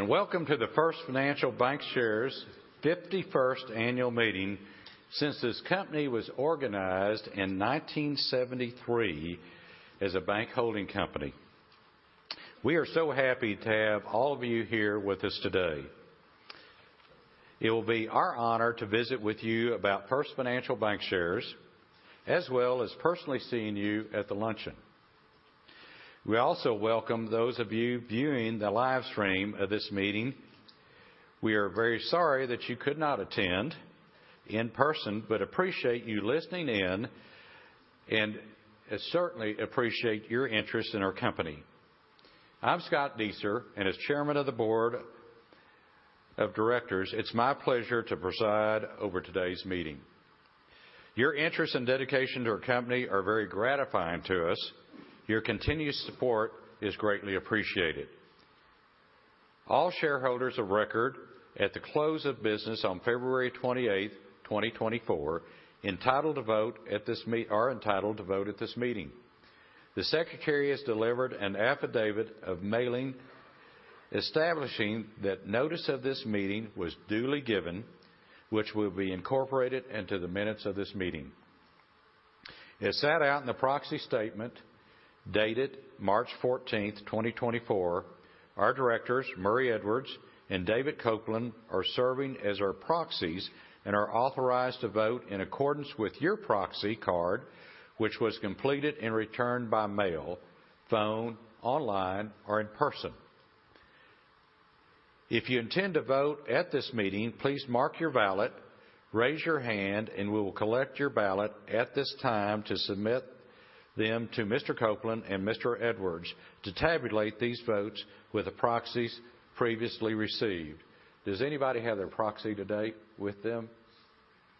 Welcome to the First Financial Bankshares 51st annual meeting since this company was organized in 1973 as a bank holding company. We are so happy to have all of you here with us today. It will be our honor to visit with you about First Financial Bankshares, as well as personally seeing you at the luncheon. We also welcome those of you viewing the live stream of this meeting. We are very sorry that you could not attend in person, but appreciate you listening in, and certainly appreciate your interest in our company. I'm Scott Dueser, and as Chairman of the Board of Directors, it's my pleasure to preside over today's meeting. Your interest and dedication to our company are very gratifying to us. Your continued support is greatly appreciated. All shareholders of record at the close of business on February 28th, 2024, entitled to vote at this meeting are entitled to vote at this meeting. The secretary has delivered an affidavit of mailing, establishing that notice of this meeting was duly given, which will be incorporated into the minutes of this meeting. As set out in the proxy statement, dated March 14th, 2024, our directors, Murray Edwards and David Copeland, are serving as our proxies and are authorized to vote in accordance with your proxy card, which was completed and returned by mail, phone, online, or in person. If you intend to vote at this meeting, please mark your ballot, raise your hand, and we will collect your ballot at this time to submit them to Mr. Copeland and Mr. Edwards to tabulate these votes with the proxies previously received. Does anybody have their proxy today with them?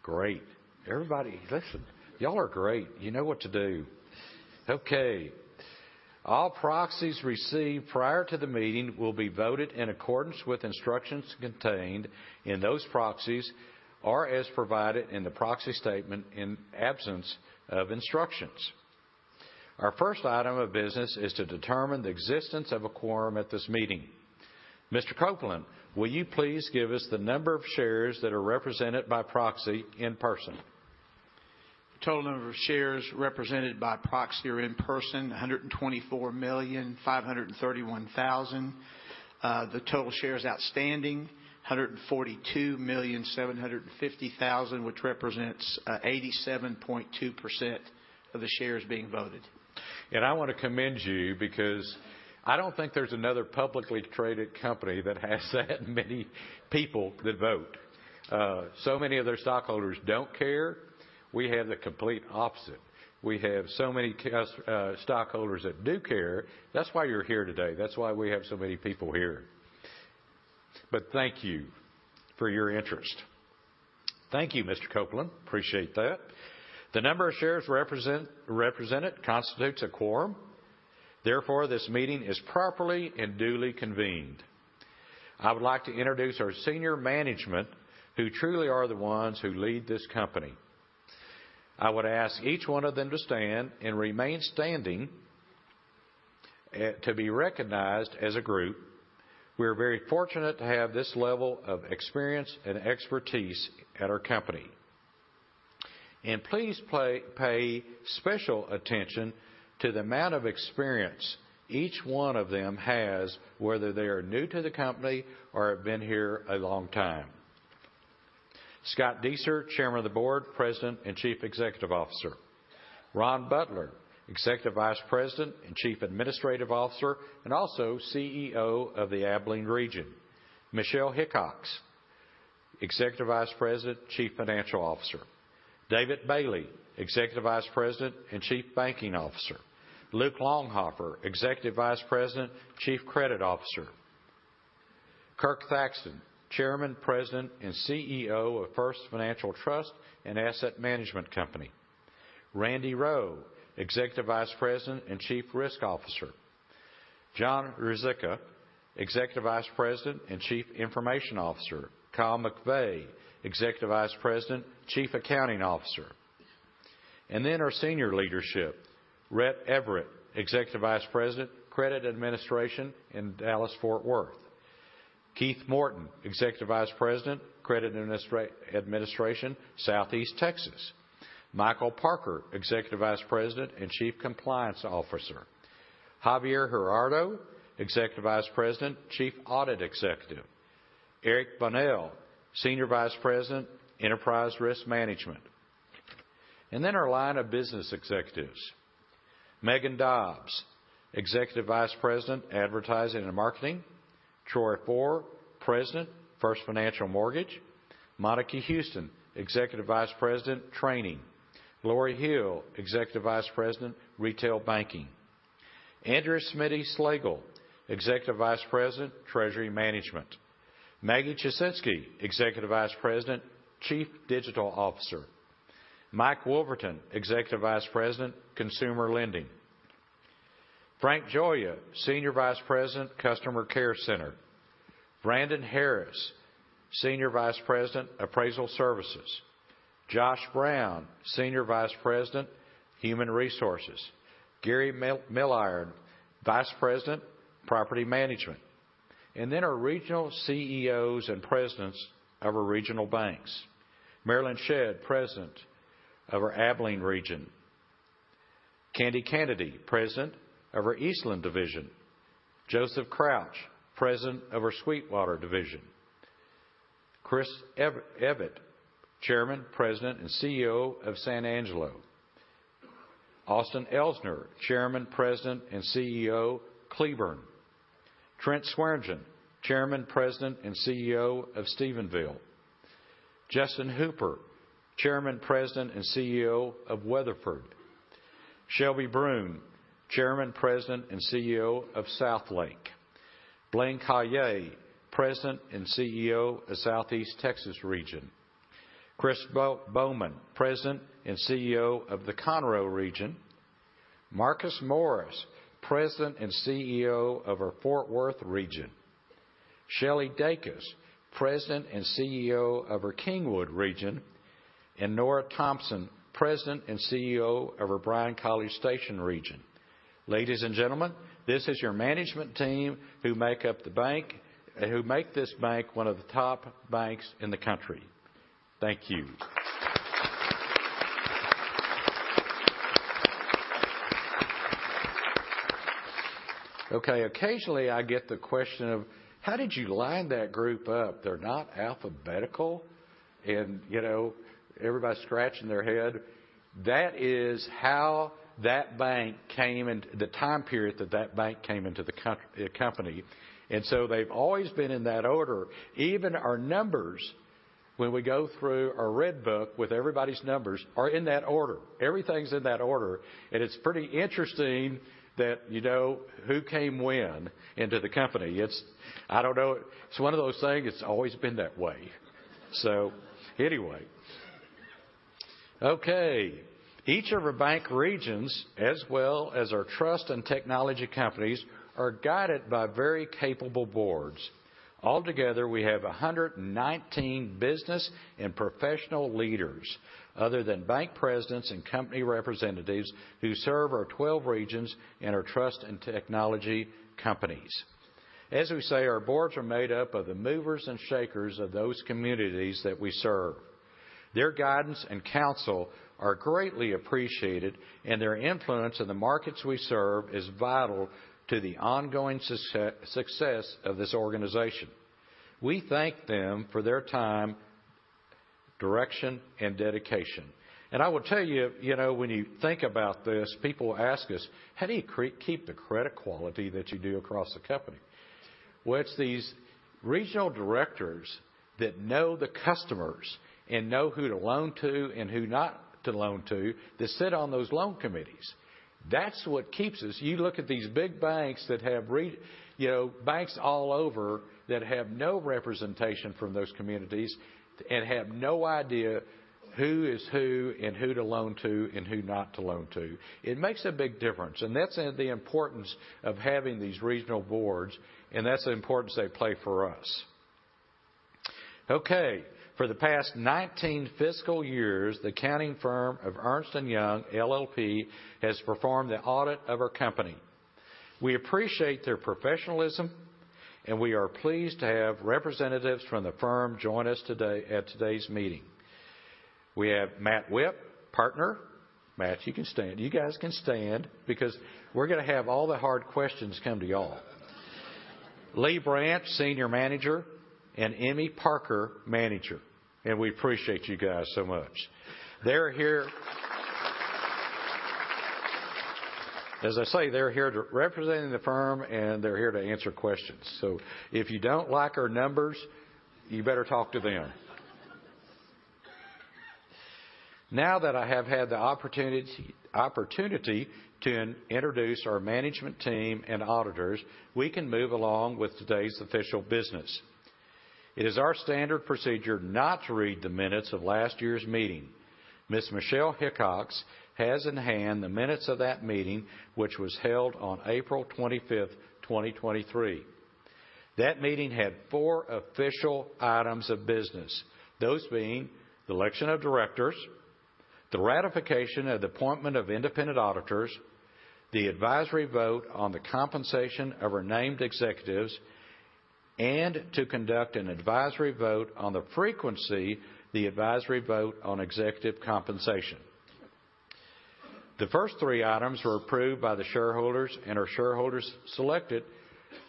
Great. Everybody. Listen, y'all are great. You know what to do. Okay. All proxies received prior to the meeting will be voted in accordance with instructions contained in those proxies or as provided in the proxy statement in absence of instructions. Our first item of business is to determine the existence of a quorum at this meeting. Mr. Copeland, will you please give us the number of shares that are represented by proxy in person? The total number of shares represented by proxy or in person, 124,531,000. The total shares outstanding, 142,750,000, which represents 87.2% of the shares being voted. I want to commend you because I don't think there's another publicly traded company that has that many people that vote. So many of their stockholders don't care. We have the complete opposite. We have so many stockholders that do care. That's why you're here today. That's why we have so many people here. But thank you for your interest. Thank you, Mr. Copeland. Appreciate that. The number of shares represented constitutes a quorum. Therefore, this meeting is properly and duly convened. I would like to introduce our senior management, who truly are the ones who lead this company. I would ask each one of them to stand and remain standing, to be recognized as a group. We are very fortunate to have this level of experience and expertise at our company. And please pay special attention to the amount of experience each one of them has, whether they are new to the company or have been here a long time. F. Scott Dueser, Chairman of the Board, President, and Chief Executive Officer. Ron Butler, Executive Vice President and Chief Administrative Officer, and also CEO of the Abilene region. Michelle Hickox, Executive Vice President, Chief Financial Officer. David Bailey, Executive Vice President and Chief Banking Officer. Luke Longhofer, Executive Vice President, Chief Credit Officer. Kirk Thaxton, Chairman, President, and CEO of First Financial Trust and Asset Management Company. Randy Rowe, Executive Vice President and Chief Risk Officer. John Ruzicka, Executive Vice President and Chief Information Officer. Kyle McVey, Executive Vice President, Chief Accounting Officer. And then our senior leadership, Rhett Everett, Executive Vice President, Credit Administration in Dallas-Fort Worth. Keith Morton, Executive Vice President, Credit Administration, Southeast Texas. Michael Parker, Executive Vice President and Chief Compliance Officer. Javier Jurado, Executive Vice President, Chief Audit Executive. Eric Bunnell, Senior Vice President, Enterprise Risk Management. And then our line of business executives, Megan Dobbs, Executive Vice President, Advertising and Marketing. Troy Fore, President, First Financial Mortgage. Monica Houston, Executive Vice President, Training. Lori Hill, Executive Vice President, Retail Banking. Andrea Smiddy-Slagle, Executive Vice President, Treasury Management. Maggie Ciesinski, Executive Vice President, Chief Digital Officer. Mike Wolverton, Executive Vice President, Consumer Lending. Frank Gioia, Senior Vice President, Customer Care Center. Brandon Harris, Senior Vice President, Appraisal Services. Josh Brown, Senior Vice President, Human Resources. Gary Milliron, Vice President, Property Management. And then our regional CEOs and presidents of our regional banks. Marilyn Shedd, President of our Abilene region. Candy Kennedy, President of our Eastland division. Joseph Crouch, President of our Sweetwater division. Chris Evetts, Chairman, President, and CEO of San Angelo. Austin Elsner, Chairman, President, and CEO, Cleburne. Trent Schwertner, Chairman, President, and CEO of Stephenville. Justin Hooper, Chairman, President, and CEO of Weatherford. Shelby Bruhn, Chairman, President, and CEO of Southlake. Blaine Caillier, President and CEO of Southeast Texas region. Chris Bowman, President and CEO of the Conroe region. Marcus Morris, President and CEO of our Fort Worth region. Shelley Dacus, President and CEO of our Kingwood region, and Nora Thompson, President and CEO of our Bryan-College Station region. Ladies and gentlemen, this is your management team who make up the bank, and who make this bank one of the top banks in the country. Thank you. Okay, occasionally I get the question of: How did you line that group up? They're not alphabetical. You know, everybody's scratching their head. That is how that bank came into the time period that that bank came into the company, and so they've always been in that order. Even our numbers, when we go through our red book with everybody's numbers, are in that order. Everything's in that order, and it's pretty interesting that, you know, who came when into the company. It's... I don't know, it's one of those things, it's always been that way. So anyway. Okay, each of our bank regions, as well as our trust and technology companies, are guided by very capable boards. Altogether, we have 119 business and professional leaders, other than bank presidents and company representatives, who serve our 12 regions and our trust and technology companies. As we say, our boards are made up of the movers and shakers of those communities that we serve. Their guidance and counsel are greatly appreciated, and their influence in the markets we serve is vital to the ongoing success of this organization. We thank them for their time, direction, and dedication. I will tell you, you know, when you think about this, people ask us: "How do you keep the credit quality that you do across the company?" Well, it's these regional directors that know the customers and know who to loan to and who not to loan to, that sit on those loan committees. That's what keeps us. You look at these big banks that have you know, banks all over that have no representation from those communities and have no idea who is who and who to loan to and who not to loan to. It makes a big difference, and that's the importance of having these regional boards, and that's the importance they play for us. Okay, for the past 19 fiscal years, the accounting firm of Ernst & Young LLP has performed the audit of our company. We appreciate their professionalism, and we are pleased to have representatives from the firm join us today at today's meeting. We have Matt Whipp, Partner. Matt, you can stand. You guys can stand, because we're gonna have all the hard questions come to y'all. Lee Brandt, Senior Manager, and Emmy Parker, Manager. And we appreciate you guys so much. They're here—as I say, they're here to—representing the firm, and they're here to answer questions. So if you don't like our numbers, you better talk to them. Now that I have had the opportunity to introduce our management team and auditors, we can move along with today's official business. It is our standard procedure not to read the minutes of last year's meeting. Ms. Michelle Hickox has in hand the minutes of that meeting, which was held on April 25, 2023. That meeting had four official items of business, those being the election of directors, the ratification of the appointment of independent auditors, the advisory vote on the compensation of our named executives, and to conduct an advisory vote on the frequency, the advisory vote on executive compensation. The first three items were approved by the shareholders and our shareholders selected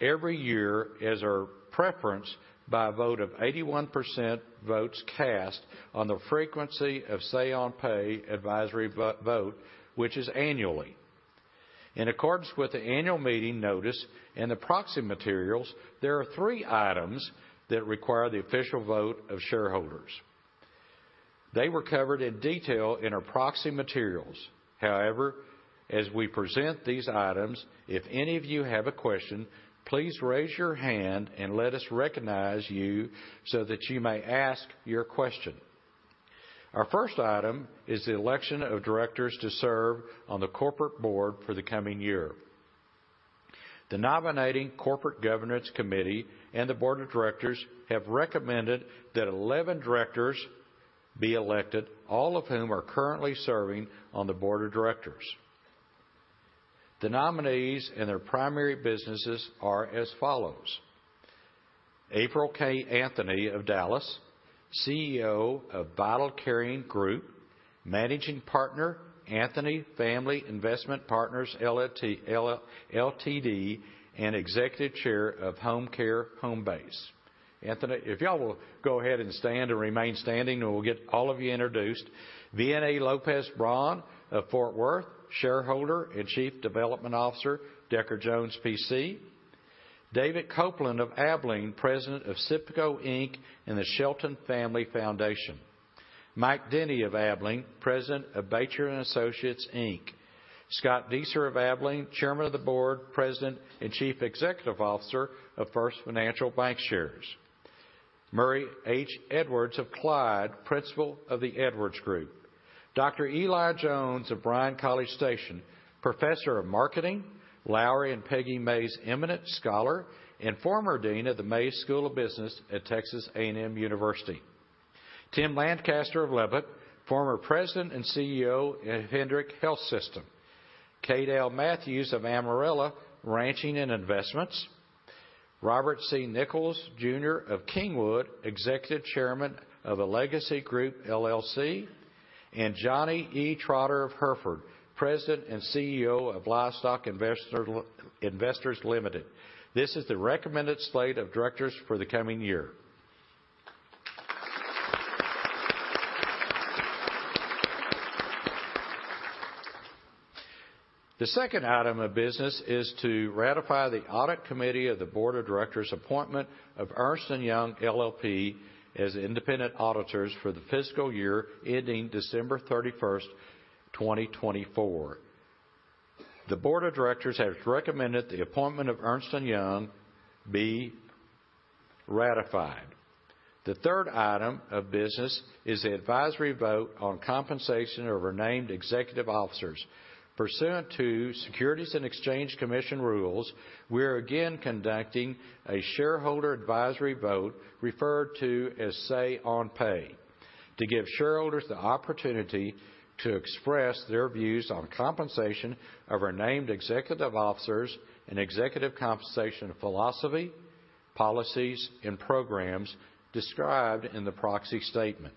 every year as our preference by a vote of 81% votes cast on the frequency of Say-on-Pay advisory vote, which is annually. In accordance with the annual meeting notice and the proxy materials, there are three items that require the official vote of shareholders. They were covered in detail in our proxy materials. However, as we present these items, if any of you have a question, please raise your hand and let us recognize you so that you may ask your question. Our first item is the election of directors to serve on the corporate board for the coming year. The Nominating Corporate Governance Committee and the Board of Directors have recommended that 11 directors be elected, all of whom are currently serving on the board of directors. The nominees and their primary businesses are as follows: April K. Anthony of Dallas, CEO of VitalCaring Group, Managing Partner, Anthony Family Investment Partners LTD, and Executive Chair of Homecare Homebase. Anthony, if y'all will go ahead and stand and remain standing, and we'll get all of you introduced. Vianai Lopez Braun of Fort Worth, Shareholder and Chief Development Officer, Decker Jones, PC. David Copeland of Abilene, President of SIPCO, Inc., and the Shelton Family Foundation. Mike Denny of Abilene, President of Batjer & Associates, Inc. F. Scott Dueser of Abilene, Chairman of the Board, President, and Chief Executive Officer of First Financial Bankshares. Murray H. Edwards of Clyde, Principal of the Edwards Group. Dr. Eli Jones of Bryan-College Station, Professor of Marketing, Lowry and Peggy Mays Eminent Scholar, and former Dean of the Mays School of Business at Texas A&M University. Tim Lancaster of Lubbock, former President and CEO at Hendrick Health System. K. Dale Matthews of Amarillo, Ranching and Investments. Robert C. Nichols, Jr. of Kingwood, Executive Chairman of The Legacy Group, LLC, and Johnny E. Trotter of Hereford, President and CEO of Livestock Investors Limited. This is the recommended slate of directors for the coming year. The second item of business is to ratify the audit committee of the board of directors' appointment of Ernst & Young LLP as independent auditors for the fiscal year ending December 31, 2024. The board of directors has recommended the appointment of Ernst & Young be ratified. The third item of business is the advisory vote on compensation of our named executive officers. Pursuant to Securities and Exchange Commission rules, we are again conducting a shareholder advisory vote, referred to as Say-on-Pay, to give shareholders the opportunity to express their views on compensation of our named executive officers and executive compensation philosophy, policies, and programs described in the proxy statement.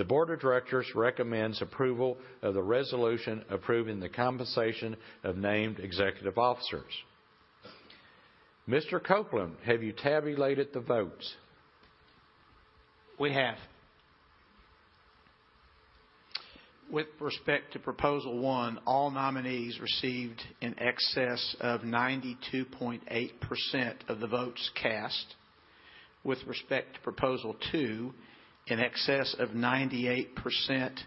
The board of directors recommends approval of the resolution approving the compensation of named executive officers. Mr. Copeland, have you tabulated the votes? We have. With respect to Proposal One, all nominees received in excess of 92.8% of the votes cast. With respect to Proposal Two, in excess of 98%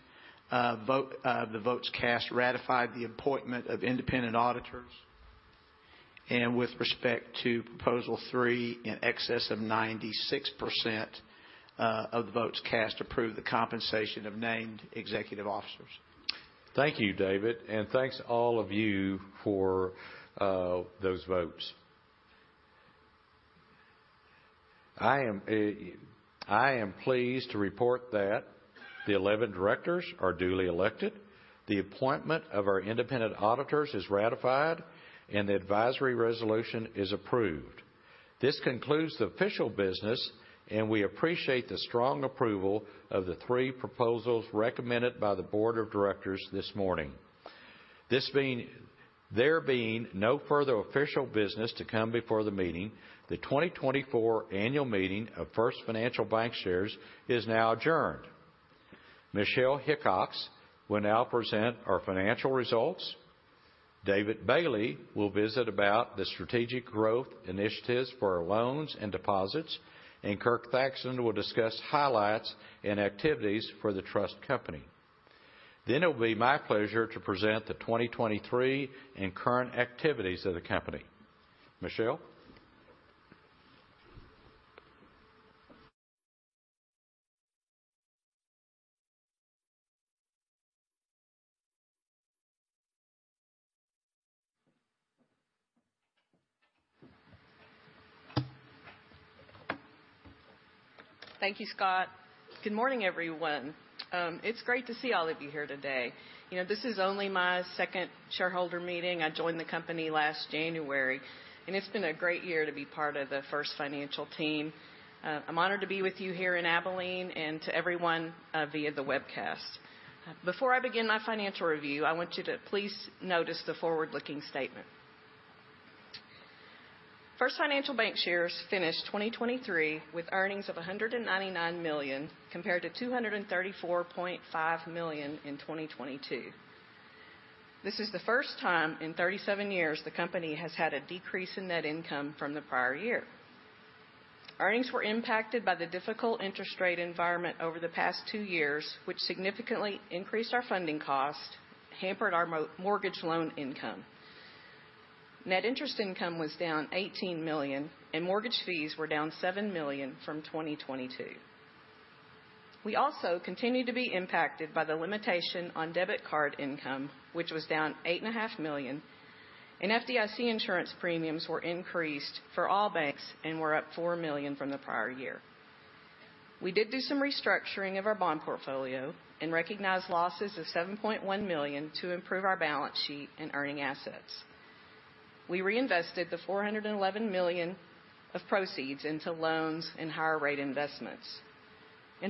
of the votes cast ratified the appointment of independent auditors. And with respect to Proposal Three, in excess of 96% of the votes cast approved the compensation of named executive officers. Thank you, David, and thanks to all of you for those votes. I am pleased to report that the eleven directors are duly elected, the appointment of our independent auditors is ratified, and the advisory resolution is approved. This concludes the official business, and we appreciate the strong approval of the three proposals recommended by the board of directors this morning. This being, there being no further official business to come before the meeting, the 2024 annual meeting of First Financial Bankshares is now adjourned. Michelle Hickox will now present our financial results. David Bailey will visit about the strategic growth initiatives for our loans and deposits, and Kirk Thaxton will discuss highlights and activities for the trust company. Then it will be my pleasure to present the 2023 and current activities of the company. Michelle? Thank you, Scott. Good morning, everyone. It's great to see all of you here today. You know, this is only my second shareholder meeting. I joined the company last January, and it's been a great year to be part of the First Financial team. I'm honored to be with you here in Abilene and to everyone via the webcast. Before I begin my financial review, I want you to please notice the forward-looking statement. First Financial Bankshares finished 2023 with earnings of $199 million, compared to $234.5 million in 2022. This is the first time in 37 years the company has had a decrease in net income from the prior year. Earnings were impacted by the difficult interest rate environment over the past two years, which significantly increased our funding cost, hampered our mortgage loan income. Net interest income was down $18 million, and mortgage fees were down $7 million from 2022. We also continue to be impacted by the limitation on debit card income, which was down $8.5 million, and FDIC insurance premiums were increased for all banks and were up $4 million from the prior year. We did do some restructuring of our bond portfolio and recognized losses of $7.1 million to improve our balance sheet and earning assets. We reinvested the $411 million of proceeds into loans and higher rate investments.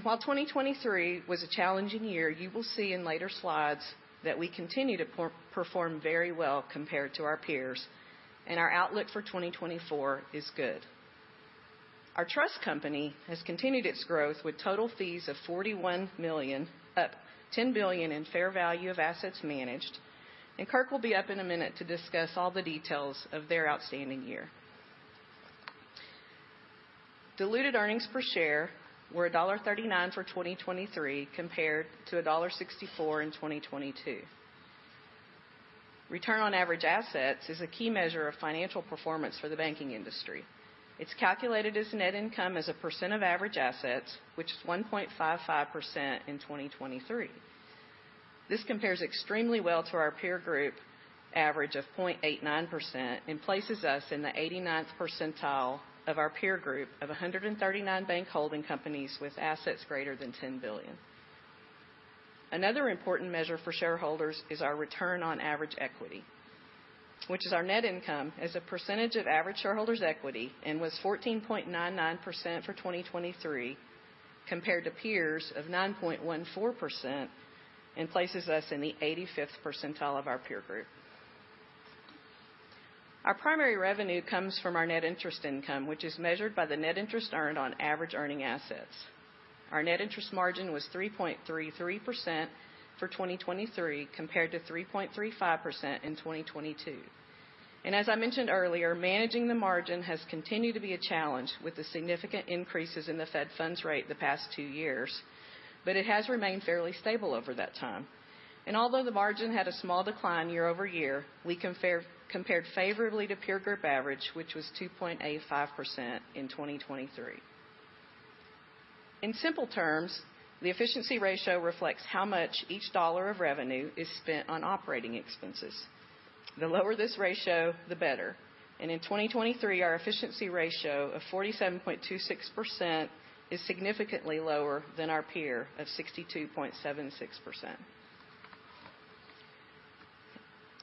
While 2023 was a challenging year, you will see in later slides that we continue to perform very well compared to our peers, and our outlook for 2024 is good. Our trust company has continued its growth, with total fees of $41 million, up $10 billion in fair value of assets managed, and Kirk will be up in a minute to discuss all the details of their outstanding year. Diluted earnings per share were $1.39 for 2023, compared to $1.64 in 2022. Return on average assets is a key measure of financial performance for the banking industry. It's calculated as net income as a percent of average assets, which is 1.55% in 2023. This compares extremely well to our peer group average of 0.89% and places us in the 89th percentile of our peer group of 139 bank holding companies with assets greater than $10 billion. Another important measure for shareholders is our return on average equity, which is our net income as a percentage of average shareholders' equity, and was 14.99% for 2023, compared to peers of 9.14%, and places us in the 85th percentile of our peer group. Our primary revenue comes from our net interest income, which is measured by the net interest earned on average earning assets. Our net interest margin was 3.33% for 2023, compared to 3.35% in 2022. As I mentioned earlier, managing the margin has continued to be a challenge with the significant increases in the Fed funds rate the past two years, but it has remained fairly stable over that time. Although the margin had a small decline year-over-year, we compared favorably to peer group average, which was 2.85% in 2023. In simple terms, the efficiency ratio reflects how much each dollar of revenue is spent on operating expenses. The lower this ratio, the better, and in 2023, our efficiency ratio of 47.26% is significantly lower than our peer of 62.76%.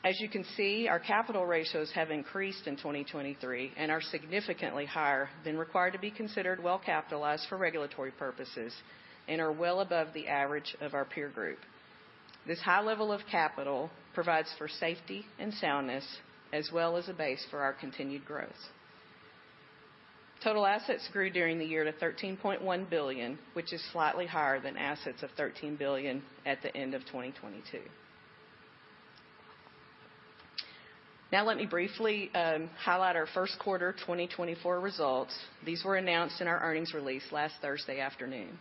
As you can see, our capital ratios have increased in 2023 and are significantly higher than required to be considered well capitalized for regulatory purposes and are well above the average of our peer group. This high level of capital provides for safety and soundness, as well as a base for our continued growth. Total assets grew during the year to $13.1 billion, which is slightly higher than assets of $13 billion at the end of 2022. Now, let me briefly highlight our first quarter 2024 results. These were announced in our earnings release last Thursday afternoon.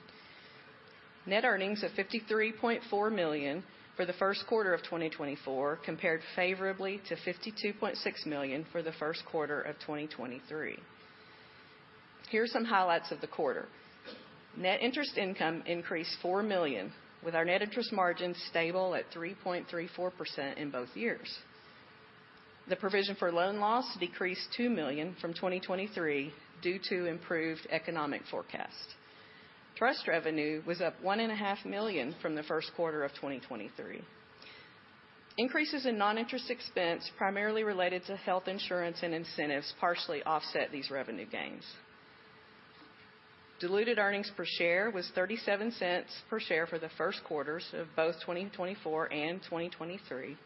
Net earnings of $53.4 million for the first quarter of 2024, compared favorably to $52.6 million for the first quarter of 2023. Here are some highlights of the quarter. Net interest income increased $4 million, with our net interest margin stable at 3.34% in both years. The provision for loan loss decreased $2 million from 2023 due to improved economic forecast. Trust revenue was up $1.5 million from the first quarter of 2023. Increases in non-interest expense, primarily related to health insurance and incentives, partially offset these revenue gains. Diluted earnings per share was $0.37 per share for the first quarters of both 2024 and 2023,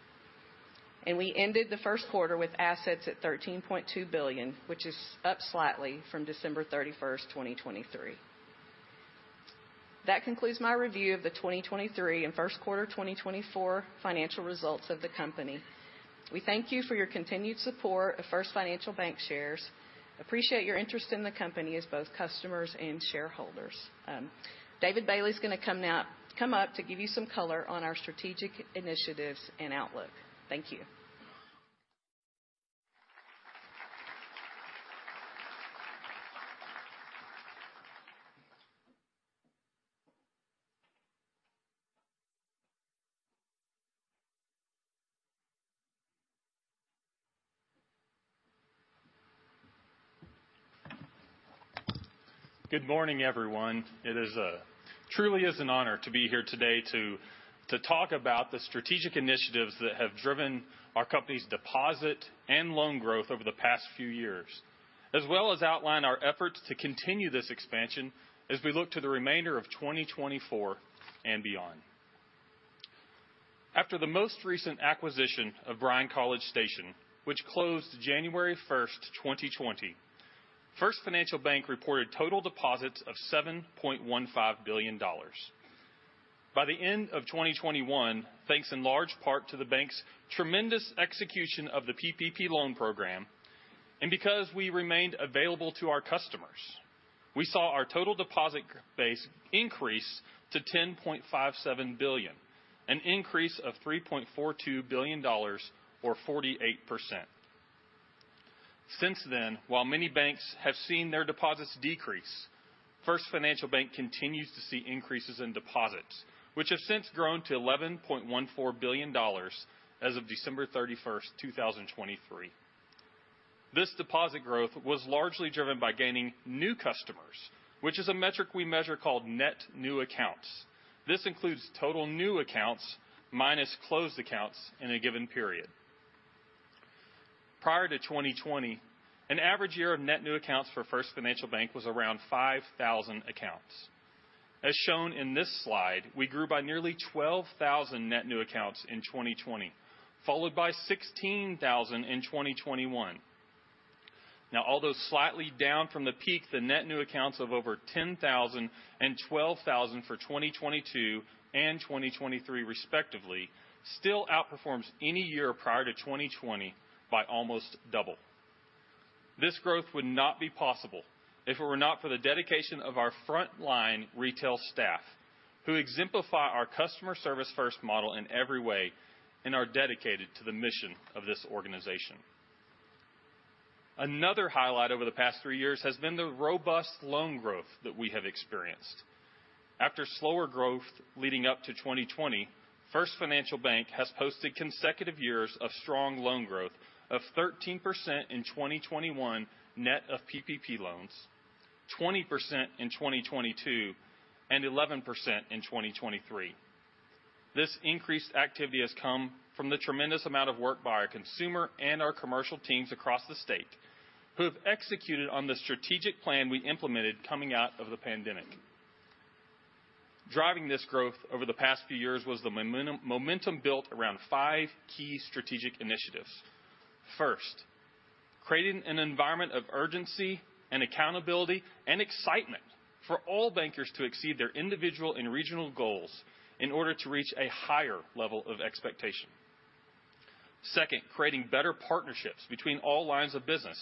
and we ended the first quarter with assets at $13.2 billion, which is up slightly from December 31, 2023. That concludes my review of the 2023 and first quarter 2024 financial results of the company. We thank you for your continued support of First Financial Bankshares. Appreciate your interest in the company as both customers and shareholders. David Bailey is going to come up to give you some color on our strategic initiatives and outlook. Thank you. Good morning, everyone. It is truly is an honor to be here today to talk about the strategic initiatives that have driven our company's deposit and loan growth over the past few years, as well as outline our efforts to continue this expansion as we look to the remainder of 2024 and beyond. After the most recent acquisition of Bryan College Station, which closed January 1, 2020, First Financial Bank reported total deposits of $7.15 billion. By the end of 2021, thanks in large part to the bank's tremendous execution of the PPP loan program, and because we remained available to our customers, we saw our total deposit base increase to $10.57 billion, an increase of $3.42 billion, or 48%. Since then, while many banks have seen their deposits decrease, First Financial Bank continues to see increases in deposits, which have since grown to $11.4 billion as of December 31, 2023. This deposit growth was largely driven by gaining new customers, which is a metric we measure called net new accounts. This includes total new accounts minus closed accounts in a given period. Prior to 2020, an average year of net new accounts for First Financial Bank was around 5,000 accounts. As shown in this slide, we grew by nearly 12,000 net new accounts in 2020, followed by 16,000 in 2021. Now, although slightly down from the peak, the net new accounts of over 10,000 and 12,000 for 2022 and 2023 respectively, still outperforms any year prior to 2020 by almost double. This growth would not be possible if it were not for the dedication of our frontline retail staff, who exemplify our customer service-first model in every way and are dedicated to the mission of this organization. Another highlight over the past three years has been the robust loan growth that we have experienced. After slower growth leading up to 2020, First Financial Bank has posted consecutive years of strong loan growth of 13% in 2021, net of PPP loans, 20% in 2022, and 11% in 2023. This increased activity has come from the tremendous amount of work by our consumer and our commercial teams across the state, who have executed on the strategic plan we implemented coming out of the pandemic. Driving this growth over the past few years was the momentum built around five key strategic initiatives. First, creating an environment of urgency and accountability and excitement for all bankers to exceed their individual and regional goals in order to reach a higher level of expectation. Second, creating better partnerships between all lines of business,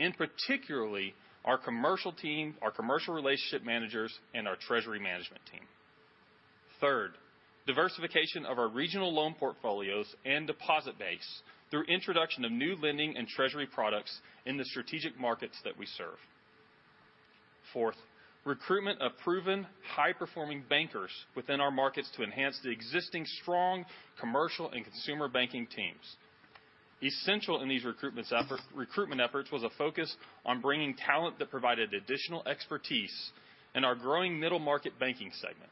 and particularly our commercial team, our commercial relationship managers, and our treasury management team. Third, diversification of our regional loan portfolios and deposit base through introduction of new lending and treasury products in the strategic markets that we serve. Fourth, recruitment of proven, high-performing bankers within our markets to enhance the existing strong commercial and consumer banking teams. Essential in these recruitment efforts was a focus on bringing talent that provided additional expertise in our growing middle market banking segment.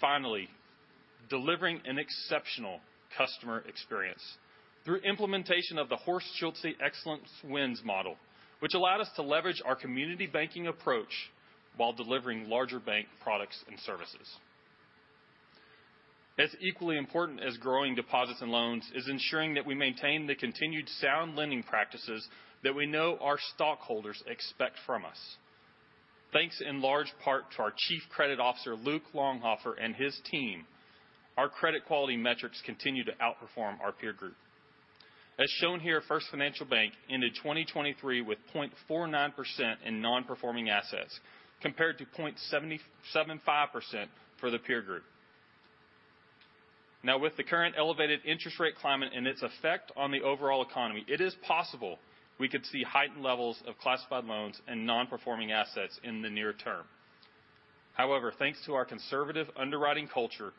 Finally, delivering an exceptional customer experience through implementation of the Horst Schulze Excellence Wins model, which allowed us to leverage our community banking approach while delivering larger bank products and services. As equally important as growing deposits and loans is ensuring that we maintain the continued sound lending practices that we know our stockholders expect from us. Thanks in large part to our Chief Credit Officer, Luke Longhofer, and his team, our credit quality metrics continue to outperform our peer group. As shown here, First Financial Bank ended 2023 with 0.49% in non-performing assets, compared to 0.775% for the peer group. Now, with the current elevated interest rate climate and its effect on the overall economy, it is possible we could see heightened levels of classified loans and non-performing assets in the near term. However, thanks to our conservative underwriting culture,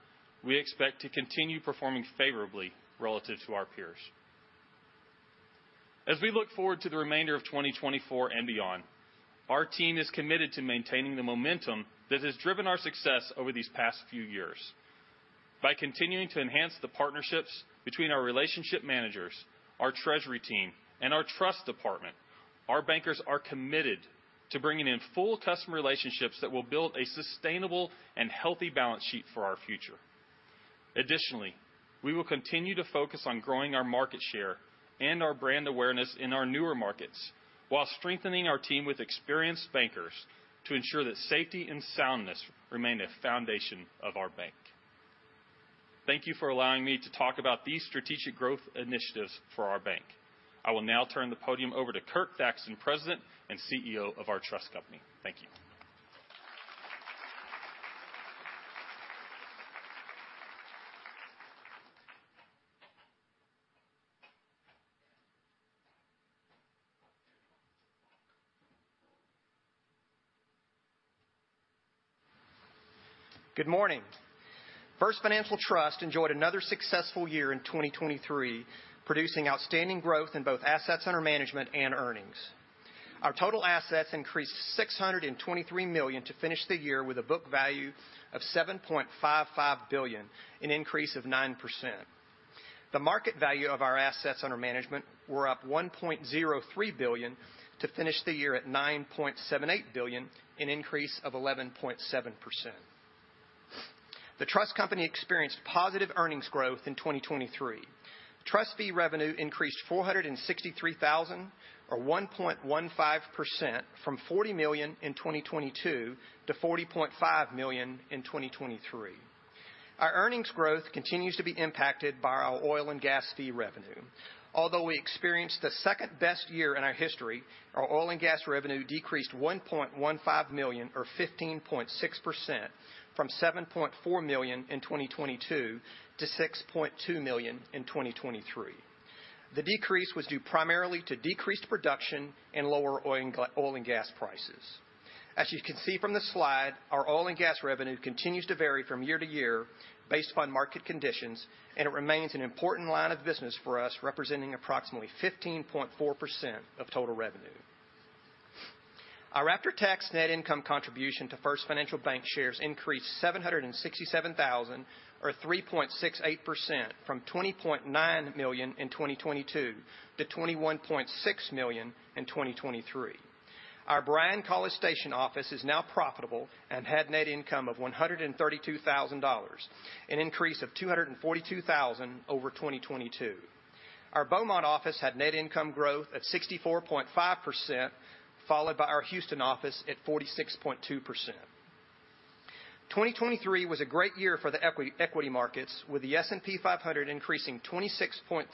we expect to continue performing favorably relative to our peers. As we look forward to the remainder of 2024 and beyond, our team is committed to maintaining the momentum that has driven our success over these past few years. By continuing to enhance the partnerships between our relationship managers, our treasury team, and our trust department, our bankers are committed to bringing in full customer relationships that will build a sustainable and healthy balance sheet for our future. Additionally, we will continue to focus on growing our market share and our brand awareness in our newer markets, while strengthening our team with experienced bankers to ensure that safety and soundness remain the foundation of our bank. Thank you for allowing me to talk about these strategic growth initiatives for our bank. I will now turn the podium over to Kirk Thaxton, President and CEO of our trust company. Thank you. Good morning. First Financial Trust enjoyed another successful year in 2023, producing outstanding growth in both assets under management and earnings. Our total assets increased $623 million to finish the year with a book value of $7.55 billion, an increase of 9%. The market value of our assets under management were up $1.03 billion, to finish the year at $9.78 billion, an increase of 11.7%. The Trust company experienced positive earnings growth in 2023. Trust fee revenue increased $463,000, or 1.15%, from $40 million in 2022 to $40.5 million in 2023. Our earnings growth continues to be impacted by our oil and gas fee revenue. Although we experienced the second-best year in our history, our oil and gas revenue decreased $1.15 million, or 15.6%, from $7.4 million in 2022 to $6.2 million in 2023. The decrease was due primarily to decreased production and lower oil and gas prices. As you can see from the slide, our oil and gas revenue continues to vary from year to year based upon market conditions, and it remains an important line of business for us, representing approximately 15.4% of total revenue. Our after-tax net income contribution to First Financial Bankshares increased $767,000, or 3.68%, from $20.9 million in 2022 to $21.6 million in 2023. Our Bryan-College Station office is now profitable and had net income of $132,000, an increase of $242,000 over 2022. Our Beaumont office had net income growth of 64.5%, followed by our Houston office at 46.2%. 2023 was a great year for the equity, equity markets, with the S&P 500 increasing 26.3%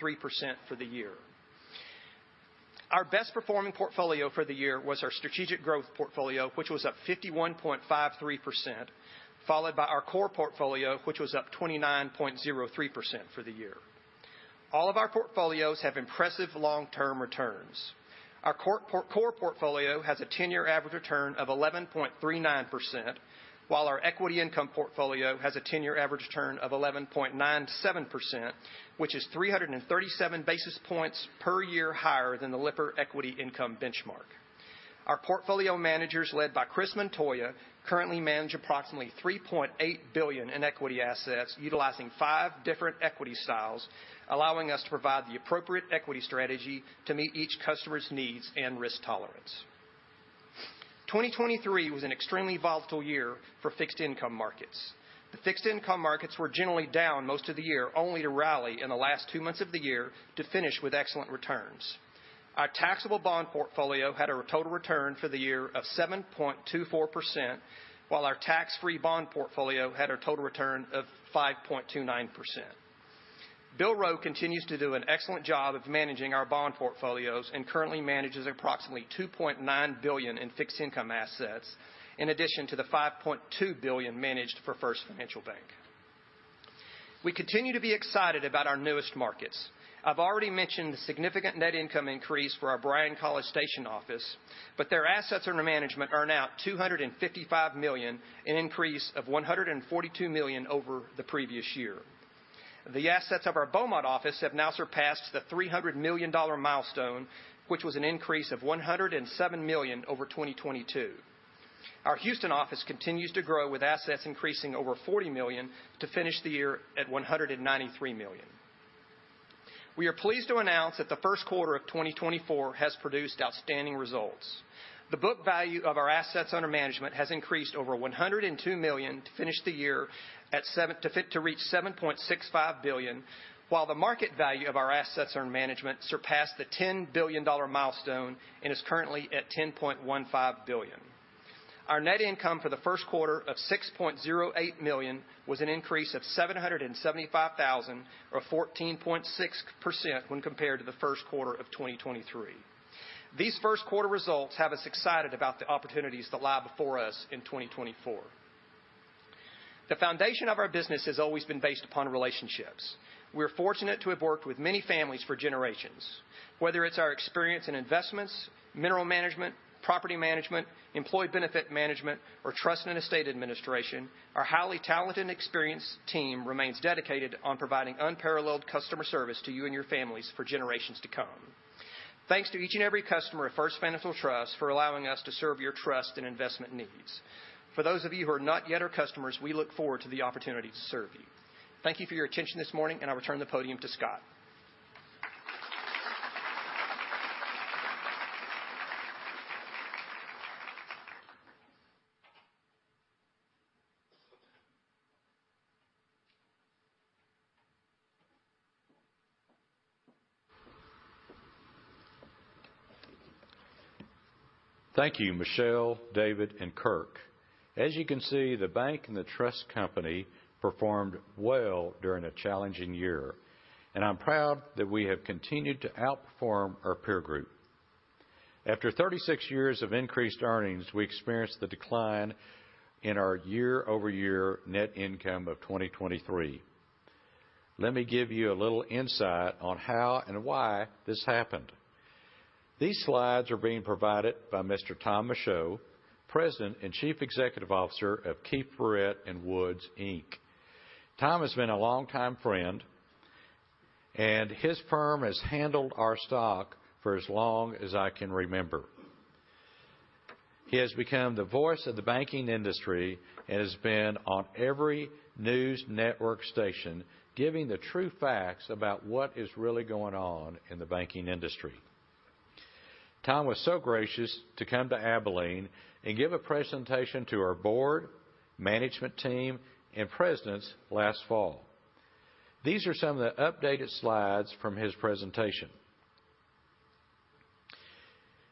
for the year. Our best performing portfolio for the year was our strategic growth portfolio, which was up 51.53%, followed by our core portfolio, which was up 29.03% for the year. All of our portfolios have impressive long-term returns. Our core portfolio has a ten-year average return of 11.39%, while our equity income portfolio has a ten-year average return of 11.97%, which is 337 basis points per year higher than the Lipper Equity Income benchmark. Our portfolio managers, led by Chris Montoya, currently manage approximately $3.8 billion in equity assets, utilizing five different equity styles, allowing us to provide the appropriate equity strategy to meet each customer's needs and risk tolerance. 2023 was an extremely volatile year for fixed income markets. The fixed income markets were generally down most of the year, only to rally in the last two months of the year to finish with excellent returns. Our taxable bond portfolio had a total return for the year of 7.24%, while our tax-free bond portfolio had a total return of 5.29%. Bill Rowe continues to do an excellent job of managing our bond portfolios and currently manages approximately $2.9 billion in fixed income assets, in addition to the $5.2 billion managed for First Financial Bank. We continue to be excited about our newest markets. I've already mentioned the significant net income increase for our Bryan-College Station office, but their assets under management are now $255 million, an increase of $142 million over the previous year. The assets of our Beaumont office have now surpassed the $300 million milestone, which was an increase of $107 million over 2022. Our Houston office continues to grow, with assets increasing over $40 million to finish the year at $193 million. We are pleased to announce that the first quarter of 2024 has produced outstanding results. The book value of our assets under management has increased over $102 million to finish the year to reach $7.65 billion, while the market value of our assets under management surpassed the $10 billion dollar milestone and is currently at $10.15 billion. Our net income for the first quarter of $6.08 million was an increase of $775,000, or 14.6%, when compared to the first quarter of 2023. These first quarter results have us excited about the opportunities that lie before us in 2024. The foundation of our business has always been based upon relationships. We're fortunate to have worked with many families for generations. Whether it's our experience in investments, mineral management, property management, employee benefit management, or trust and estate administration, our highly talented and experienced team remains dedicated on providing unparalleled customer service to you and your families for generations to come. Thanks to each and every customer of First Financial Trust for allowing us to serve your trust and investment needs. For those of you who are not yet our customers, we look forward to the opportunity to serve you. Thank you for your attention this morning, and I return the podium to Scott. Thank you, Michelle, David, and Kirk. As you can see, the bank and the trust company performed well during a challenging year, and I'm proud that we have continued to outperform our peer group. After 36 years of increased earnings, we experienced the decline in our year-over-year net income of 2023. Let me give you a little insight on how and why this happened. These slides are being provided by Mr. Tom Michaud, President and Chief Executive Officer of Keefe, Bruyette & Woods, Inc. Tom has been a longtime friend, and his firm has handled our stock for as long as I can remember. He has become the voice of the banking industry and has been on every news network station, giving the true facts about what is really going on in the banking industry. Tom was so gracious to come to Abilene and give a presentation to our board, management team, and presidents last fall. These are some of the updated slides from his presentation.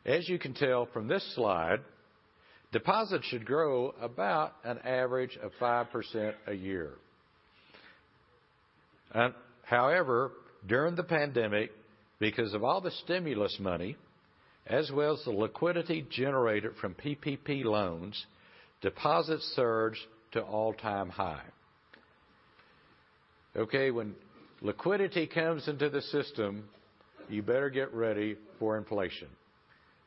As you can tell from this slide, deposits should grow about an average of 5% a year. However, during the pandemic, because of all the stimulus money, as well as the liquidity generated from PPP loans, deposits surged to all-time high. Okay, when liquidity comes into the system, you better get ready for inflation.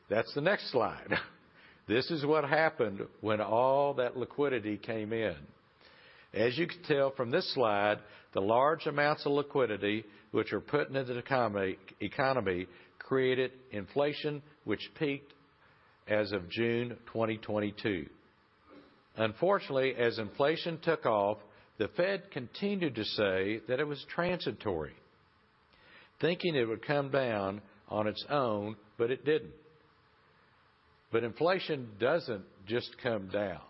That's the next slide. This is what happened when all that liquidity came in. As you can tell from this slide, the large amounts of liquidity, which were put into the economy, created inflation, which peaked as of June 2022. Unfortunately, as inflation took off, the Fed continued to say that it was transitory, thinking it would come down on its own, but it didn't. Inflation doesn't just come down.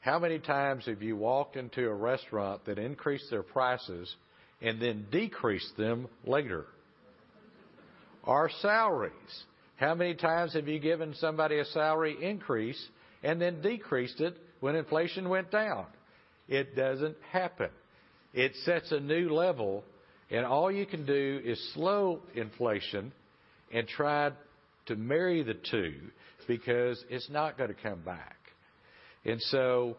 How many times have you walked into a restaurant that increased their prices and then decreased them later? Our salaries, how many times have you given somebody a salary increase and then decreased it when inflation went down? It doesn't happen. It sets a new level, and all you can do is slow inflation and try to marry the two, because it's not gonna come back. And so,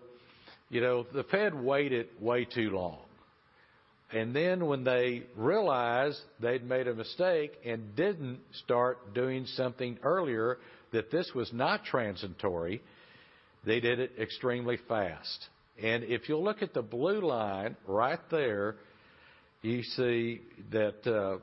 you know, the Fed waited way too long, and then when they realized they'd made a mistake and didn't start doing something earlier, that this was not transitory, they did it extremely fast. If you look at the blue line right there, you see that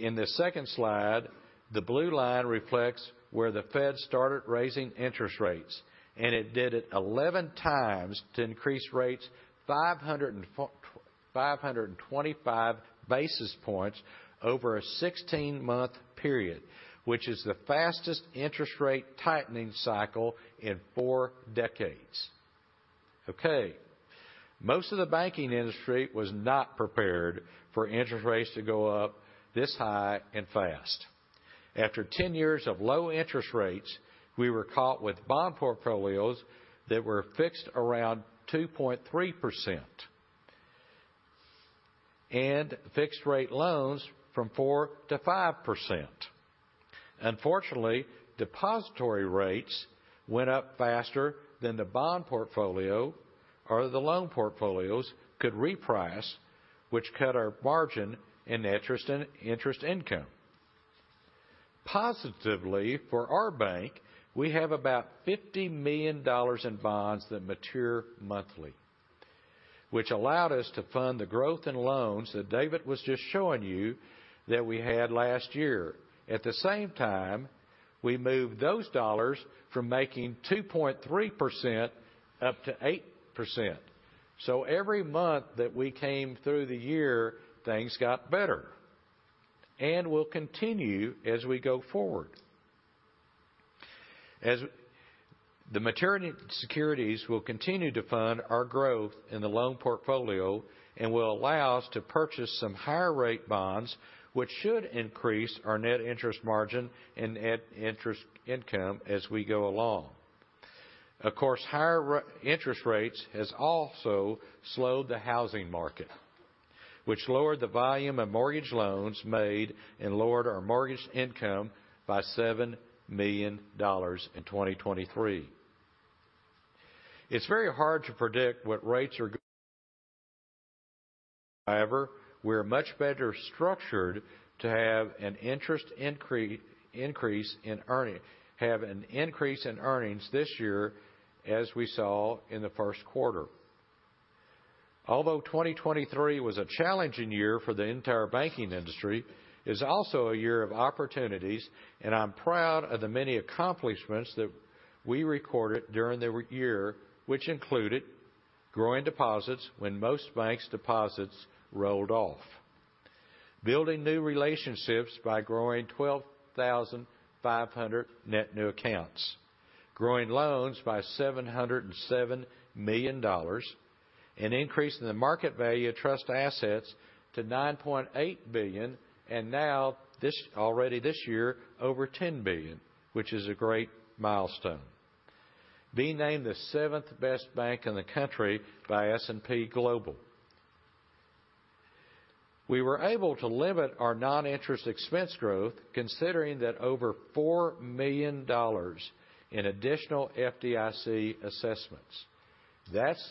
in the second slide, the blue line reflects where the Fed started raising interest rates, and it did it 11 times to increase rates 525 basis points over a 16-month period, which is the fastest interest rate tightening cycle in four decades. Okay. Most of the banking industry was not prepared for interest rates to go up this high and fast. After 10 years of low interest rates, we were caught with bond portfolios that were fixed around 2.3% and fixed rate loans from 4%-5%. Unfortunately, depository rates went up faster than the bond portfolio or the loan portfolios could reprice, which cut our margin in interest and, interest income. Positively for our bank, we have about $50 million in bonds that mature monthly, which allowed us to fund the growth in loans that David was just showing you that we had last year. At the same time, we moved those dollars from making 2.3% up to 8%. So every month that we came through the year, things got better and will continue as we go forward. As the maturity securities will continue to fund our growth in the loan portfolio and will allow us to purchase some higher rate bonds, which should increase our net interest margin and net interest income as we go along. Of course, higher interest rates has also slowed the housing market, which lowered the volume of mortgage loans made and lowered our mortgage income by $7 million in 2023. It's very hard to predict what rates are however, we're much better structured to have an interest increase in earning, have an increase in earnings this year, as we saw in the first quarter. Although 2023 was a challenging year for the entire banking industry, it's also a year of opportunities, and I'm proud of the many accomplishments that we recorded during the year, which included growing deposits when most banks' deposits rolled off, building new relationships by growing 12,500 net new accounts, growing loans by $707 million, and increasing the market value of trust assets to $9.8 billion, and now, already this year, over $10 billion, which is a great milestone. Being named the seventh best bank in the country by S&P Global. We were able to limit our non-interest expense growth, considering that over $4 million in additional FDIC assessments. That's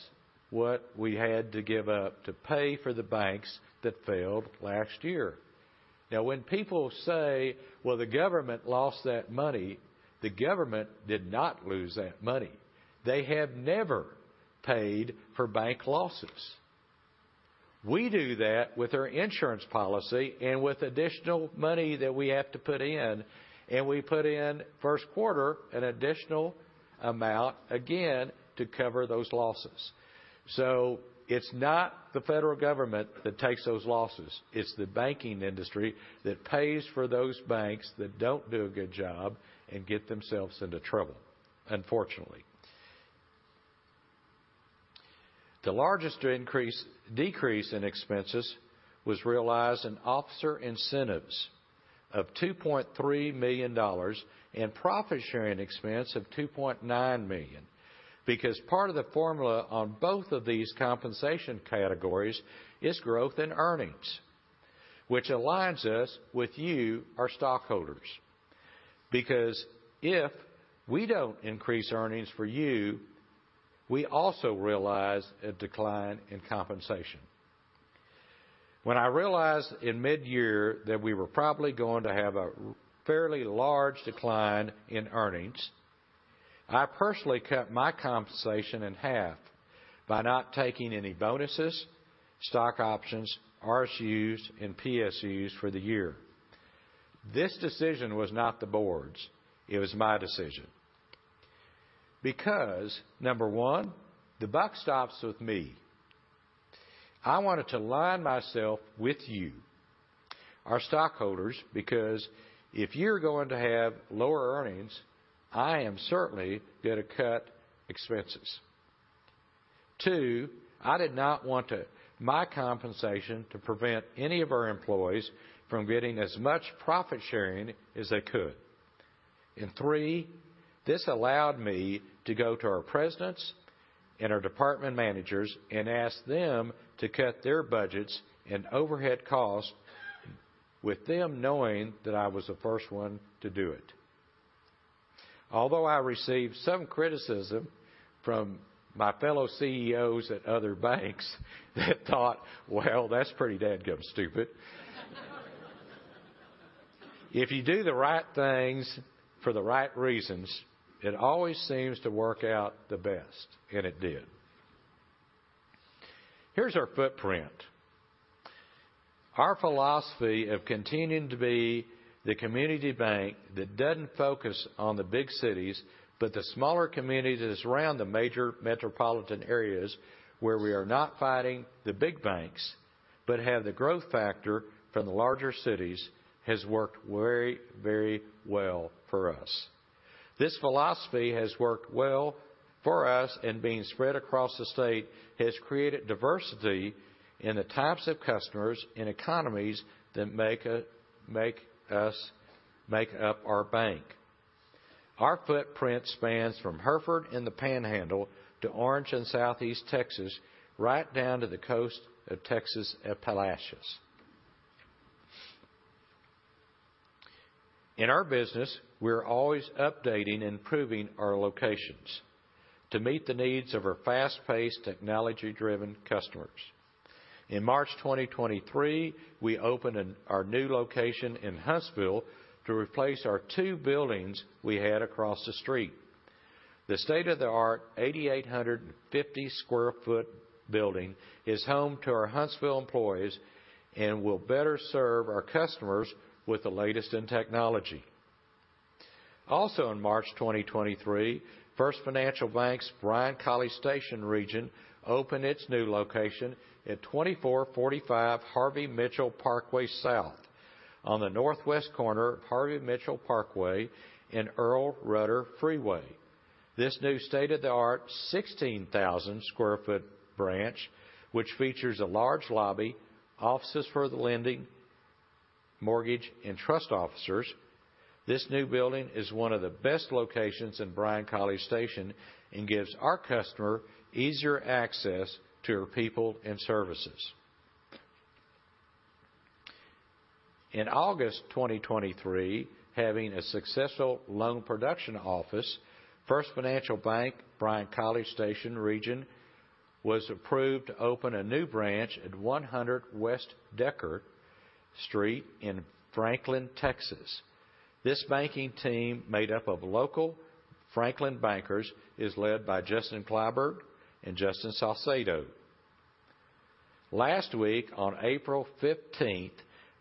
what we had to give up to pay for the banks that failed last year. Now, when people say, "Well, the government lost that money," the government did not lose that money. They have never paid for bank losses. We do that with our insurance policy and with additional money that we have to put in, and we put in first quarter an additional amount, again, to cover those losses. So it's not the federal government that takes those losses. It's the banking industry that pays for those banks that don't do a good job and get themselves into trouble, unfortunately. The largest increase-decrease in expenses was realized in officer incentives of $2.3 million and profit-sharing expense of $2.9 million. Because part of the formula on both of these compensation categories is growth in earnings, which aligns us with you, our stockholders.... Because if we don't increase earnings for you, we also realize a decline in compensation. When I realized in midyear that we were probably going to have a fairly large decline in earnings, I personally cut my compensation in half by not taking any bonuses, stock options, RSUs, and PSUs for the year. This decision was not the board's. It was my decision. Because, number one, the buck stops with me. I wanted to align myself with you, our stockholders, because if you're going to have lower earnings, I am certainly going to cut expenses. Two, I did not want my compensation to prevent any of our employees from getting as much profit sharing as they could. Three, this allowed me to go to our presidents and our department managers and ask them to cut their budgets and overhead costs, with them knowing that I was the first one to do it. Although I received some criticism from my fellow CEOs at other banks that thought, "Well, that's pretty dadgum stupid." If you do the right things for the right reasons, it always seems to work out the best, and it did. Here's our footprint. Our philosophy of continuing to be the community bank that doesn't focus on the big cities, but the smaller communities that is around the major metropolitan areas, where we are not fighting the big banks, but have the growth factor from the larger cities, has worked very, very well for us. This philosophy has worked well for us, and being spread across the state, has created diversity in the types of customers and economies that make up our bank. Our footprint spans from Hereford in the Panhandle to Orange and Southeast Texas, right down to the coast of Texas at Palacios. In our business, we're always updating and improving our locations to meet the needs of our fast-paced, technology-driven customers. In March 2023, we opened our new location in Huntsville to replace our two buildings we had across the street. The state-of-the-art, 8,850 sq ft building is home to our Huntsville employees and will better serve our customers with the latest in technology. Also, in March 2023, First Financial Bank's Bryan-College Station region opened its new location at 2445 Harvey Mitchell Parkway South, on the northwest corner of Harvey Mitchell Parkway and Earl Rudder Freeway. This new state-of-the-art, 16,000 sq ft branch, which features a large lobby, offices for the lending, mortgage, and trust officers. This new building is one of the best locations in Bryan-College Station and gives our customer easier access to our people and services. In August 2023, having a successful loan production office, First Financial Bank, Bryan-College Station region, was approved to open a new branch at 100 West Decker Street in Franklin, Texas. This banking team, made up of local Franklin bankers, is led by Justin Kliebert and Justin Salcedo. Last week, on April 15th,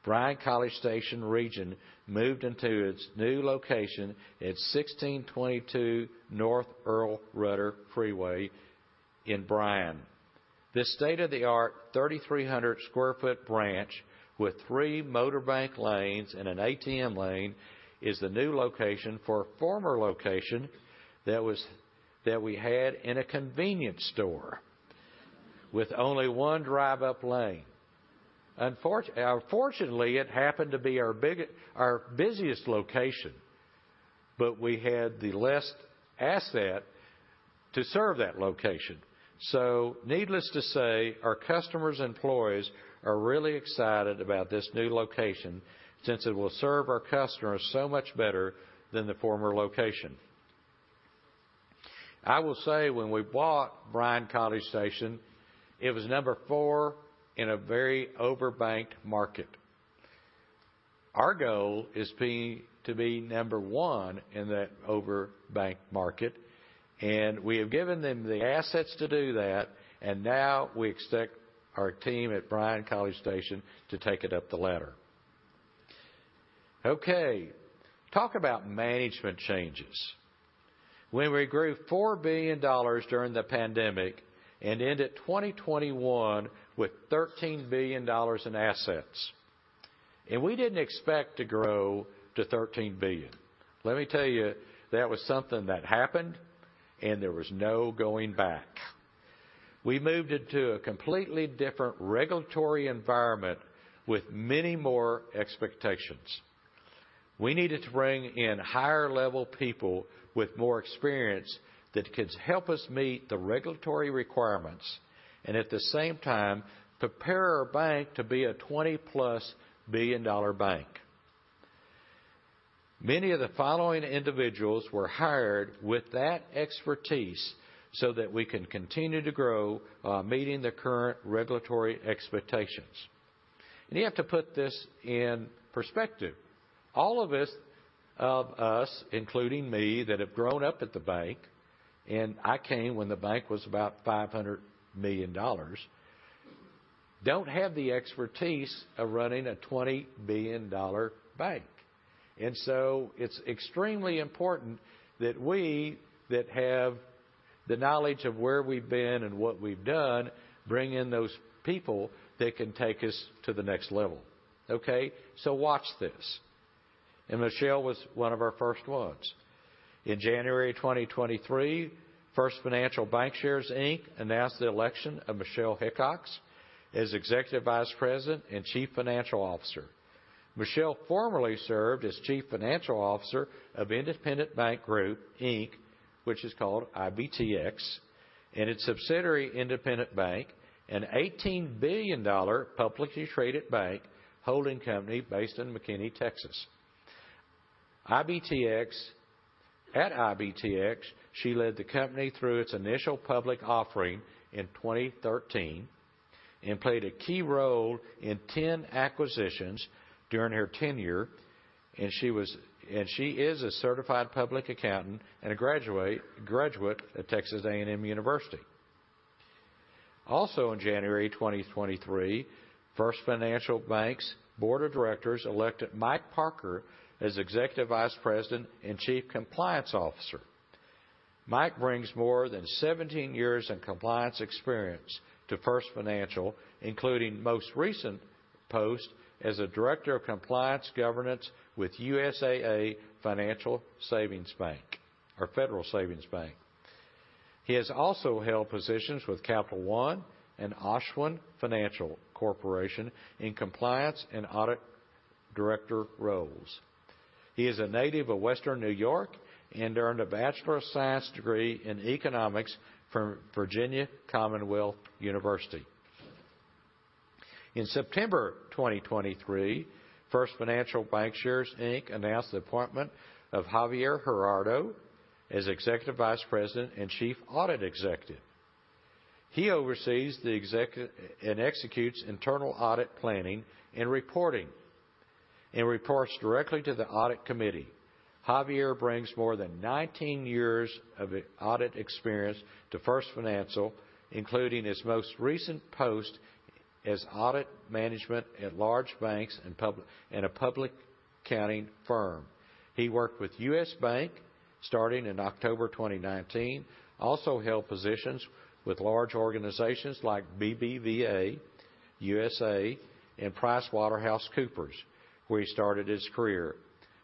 Bryan-College Station region moved into its new location at 1622 North Earl Rudder Freeway in Bryan. This state-of-the-art, 3,300 sq ft branch, with 3 motor bank lanes and an ATM lane, is the new location for a former location that we had in a convenience store, with only 1 drive-up lane. Unfortunately, it happened to be our busiest location, but we had the least asset to serve that location. So needless to say, our customers and employees are really excited about this new location, since it will serve our customers so much better than the former location. I will say, when we bought Bryan-College Station, it was number 4 in a very over-banked market. Our goal is to be number 1 in that over-banked market, and we have given them the assets to do that, and now we expect our team at Bryan-College Station to take it up the ladder. Okay, talk about management changes. When we grew $4 billion during the pandemic and ended 2021 with $13 billion in assets, and we didn't expect to grow to $13 billion. Let me tell you, that was something that happened, and there was no going back. We moved into a completely different regulatory environment with many more expectations. We needed to bring in higher-level people with more experience that could help us meet the regulatory requirements and, at the same time, prepare our bank to be a 20+ billion-dollar bank. Many of the following individuals were hired with that expertise so that we can continue to grow, meeting the current regulatory expectations. You have to put this in perspective. All of us, of us, including me, that have grown up at the bank, and I came when the bank was about $500 million, don't have the expertise of running a $20 billion bank. And so it's extremely important that we, that have the knowledge of where we've been and what we've done, bring in those people that can take us to the next level, okay? So watch this. And Michelle was one of our first ones. In January 2023, First Financial Bankshares, Inc., announced the election of Michelle Hickox as Executive Vice President and Chief Financial Officer. Michelle formerly served as Chief Financial Officer of Independent Bank Group, Inc., which is called IBTX, and its subsidiary, Independent Bank, an $18 billion publicly traded bank holding company based in McKinney, Texas. At IBTX, she led the company through its initial public offering in 2013 and played a key role in 10 acquisitions during her tenure, and she was, and she is a certified public accountant and a graduate of Texas A&M University. Also, in January 2023, First Financial Bank's Board of Directors elected Mike Parker as Executive Vice President and Chief Compliance Officer. Mike brings more than 17 years in compliance experience to First Financial, including most recent post as a Director of Compliance Governance with USAA Federal Savings Bank. He has also held positions with Capital One and Aspire Financial Corporation in compliance and audit director roles. He is a native of Western New York and earned a Bachelor of Science degree in Economics from Virginia Commonwealth University. In September 2023, First Financial Bankshares, Inc., announced the appointment of Javier Gerardo as Executive Vice President and Chief Audit Executive. He oversees the execution and executes internal audit planning and reporting, and reports directly to the audit committee. Javier brings more than 19 years of audit experience to First Financial, including his most recent post as audit management at large banks and public, and a public accounting firm. He worked with US Bank, starting in October 2019, also held positions with large organizations like BBVA USA, and PricewaterhouseCoopers, where he started his career.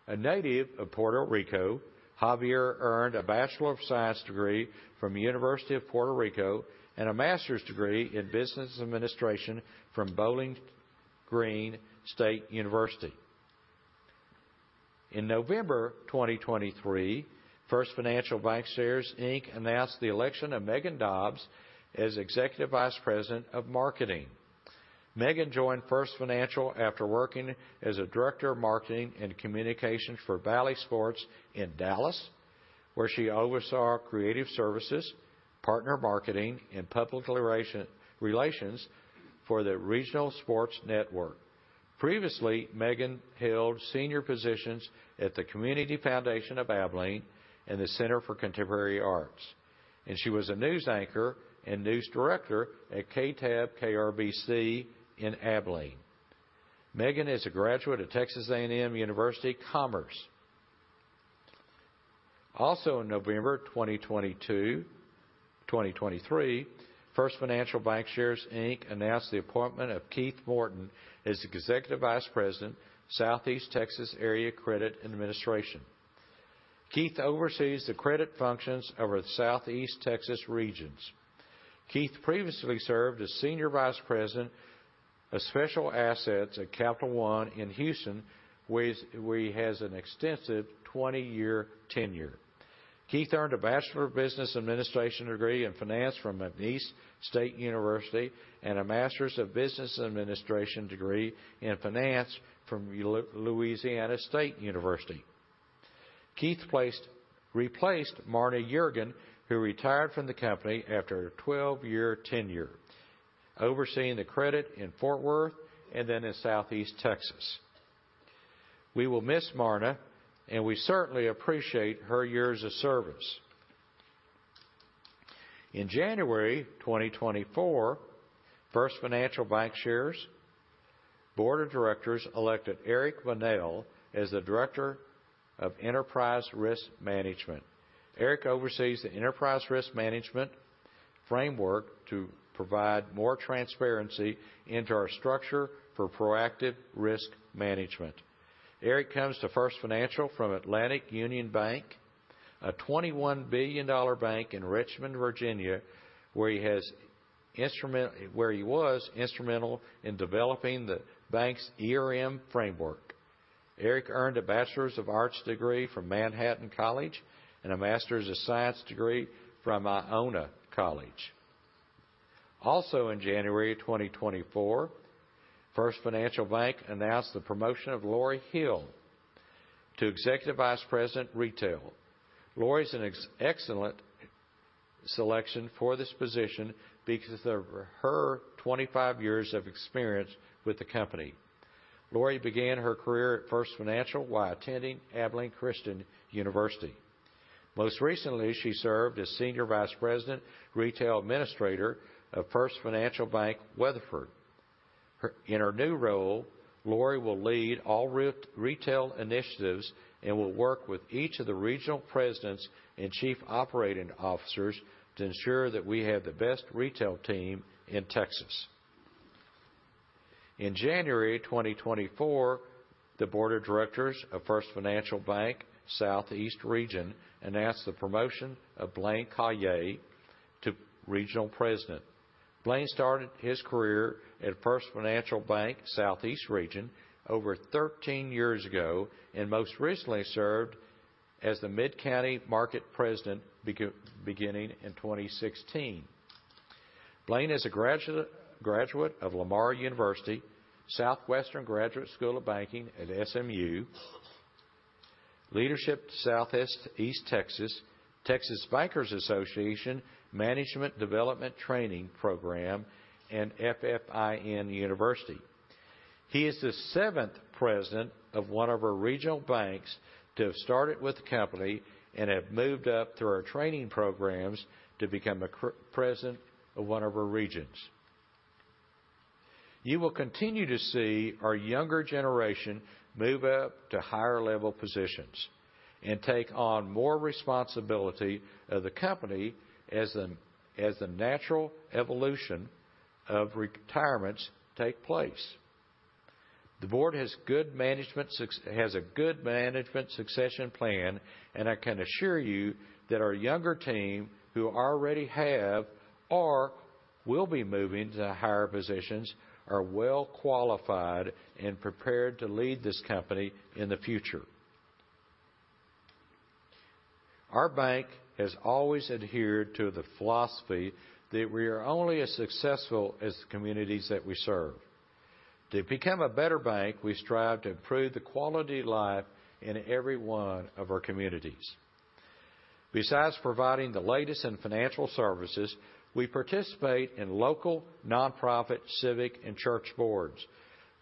A native of Puerto Rico, Javier earned a Bachelor of Science degree from the University of Puerto Rico and a Master's degree in Business Administration from Bowling Green State University. In November 2023, First Financial Bankshares, Inc., announced the election of Megan Dobbs as Executive Vice President of Marketing. Megan joined First Financial after working as a Director of Marketing and Communications for Bally Sports in Dallas, where she oversaw creative services, partner marketing, and public relations for the Regional Sports Network. Previously, Megan held senior positions at the Community Foundation of Abilene and the Center for Contemporary Arts, and she was a news anchor and news director at KTAB/KRBC in Abilene. Megan is a graduate of Texas A&M University-Commerce. Also, in November 2022-2023, First Financial Bankshares, Inc., announced the appointment of Keith Morton as Executive Vice President, Southeast Texas Area Credit Administration. Keith oversees the credit functions of our Southeast Texas regions. Keith previously served as Senior Vice President of Special Assets at Capital One in Houston, where he has an extensive 20-year tenure. Keith earned a Bachelor of Business Administration degree in Finance from McNeese State University and a Master's of Business Administration degree in Finance from Louisiana State University. Keith replaced Marna Yergan, who retired from the company after a 12-year tenure, overseeing the credit in Fort Worth and then in Southeast Texas. We will miss Marna, and we certainly appreciate her years of service. In January 2024, First Financial Bankshares Board of Directors elected Eric Bunnell as the Director of Enterprise Risk Management. Eric oversees the enterprise risk management framework to provide more transparency into our structure for proactive risk management. Eric comes to First Financial from Atlantic Union Bank, a $21 billion bank in Richmond, Virginia, where he was instrumental in developing the bank's ERM framework. Eric earned a Bachelor's of Arts degree from Manhattan College and a Master's of Science degree from Iona College.... Also in January 2024, First Financial Bank announced the promotion of Lori Hill to Executive Vice President, Retail. Lori is an excellent selection for this position because of her 25 years of experience with the company. Lori began her career at First Financial while attending Abilene Christian University. Most recently, she served as Senior Vice President, Retail Administrator of First Financial Bank, Weatherford. In her new role, Lori will lead all retail initiatives and will work with each of the regional presidents and chief operating officers to ensure that we have the best retail team in Texas. In January 2024, the board of directors of First Financial Bank, Southeast Region, announced the promotion of Blaine Callais to Regional President. Blaine started his career at First Financial Bank, Southeast Region, over 13 years ago, and most recently served as the Mid-County Market President beginning in 2016. Blaine is a graduate of Lamar University, Southwestern Graduate School of Banking at SMU, Leadership Southeast Texas, Texas Bankers Association, Management Development Training Program, and FFIN University. He is the seventh president of one of our regional banks to have started with the company and have moved up through our training programs to become a president of one of our regions. You will continue to see our younger generation move up to higher level positions and take on more responsibility of the company as the natural evolution of retirements take place. The board has a good management succession plan, and I can assure you that our younger team, who already have or will be moving to higher positions, are well qualified and prepared to lead this company in the future. Our bank has always adhered to the philosophy that we are only as successful as the communities that we serve. To become a better bank, we strive to improve the quality of life in every one of our communities. Besides providing the latest in financial services, we participate in local, nonprofit, civic, and church boards,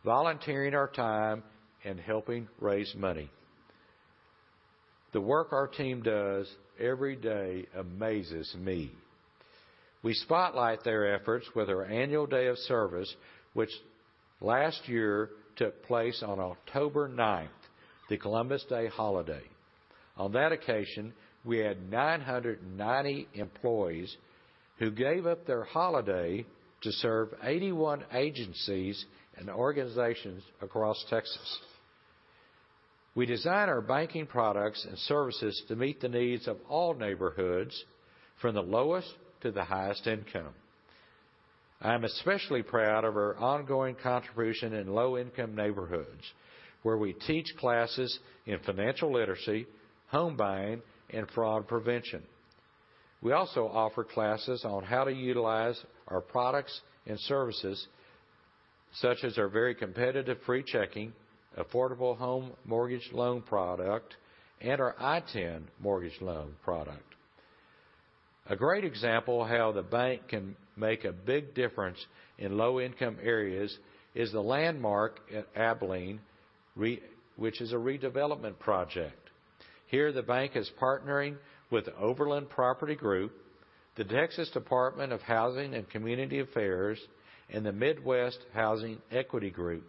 volunteering our time and helping raise money. The work our team does every day amazes me. We spotlight their efforts with our annual Day of Service, which last year took place on October ninth, the Columbus Day holiday. On that occasion, we had 990 employees who gave up their holiday to serve 81 agencies and organizations across Texas. We design our banking products and services to meet the needs of all neighborhoods, from the lowest to the highest income. I am especially proud of our ongoing contribution in low-income neighborhoods, where we teach classes in financial literacy, home buying, and fraud prevention. We also offer classes on how to utilize our products and services, such as our very competitive free checking, affordable home mortgage loan product, and our ITIN mortgage loan product. A great example of how the bank can make a big difference in low-income areas is the Landmark at Abilene, which is a redevelopment project. Here, the bank is partnering with the Overland Property Group, the Texas Department of Housing and Community Affairs, and the Midwest Housing Equity Group.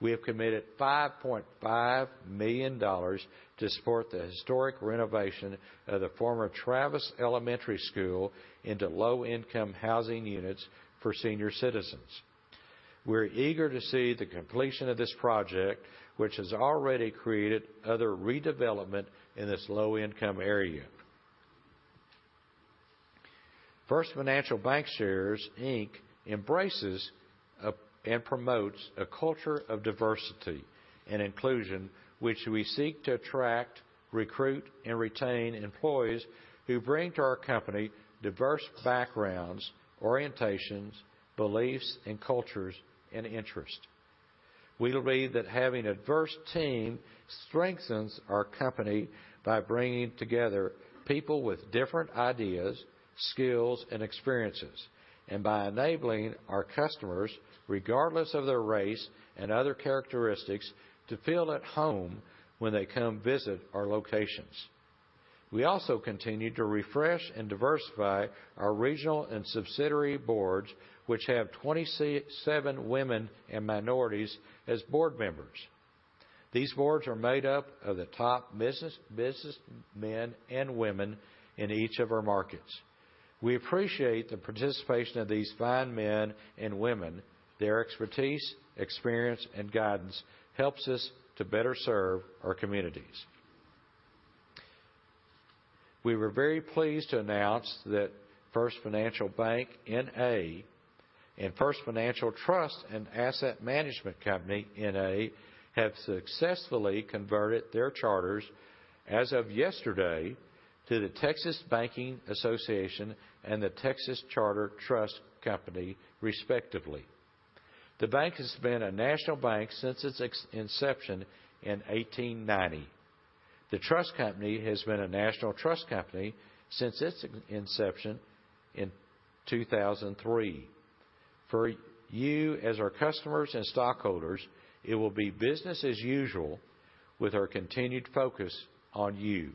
We have committed $5.5 million to support the historic renovation of the former Travis Elementary School into low-income housing units for senior citizens. We're eager to see the completion of this project, which has already created other redevelopment in this low-income area. First Financial Bankshares, Inc. embraces and promotes a culture of diversity and inclusion, which we seek to attract, recruit, and retain employees who bring to our company diverse backgrounds, orientations, beliefs, and cultures, and interests. We believe that having a diverse team strengthens our company by bringing together people with different ideas, skills, and experiences, and by enabling our customers, regardless of their race and other characteristics, to feel at home when they come visit our locations. We also continue to refresh and diversify our regional and subsidiary boards, which have 27 women and minorities as board members. These boards are made up of the top businessmen and women in each of our markets. We appreciate the participation of these fine men and women. Their expertise, experience, and guidance helps us to better serve our communities. We were very pleased to announce that First Financial Bank, N.A., and First Financial Trust, an asset management company, have successfully converted their charters as of yesterday to a Texas banking association and a Texas-chartered trust company, respectively. The bank has been a national bank since its inception in 1890. The trust company has been a national trust company since its inception in 2003. For you, as our customers and stockholders, it will be business as usual with our continued focus on you.